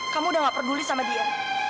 kamu udah gak peduli sama dia